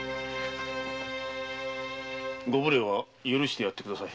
ご無礼は許してやってください。